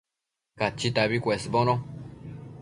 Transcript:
Cachitabi cuesbono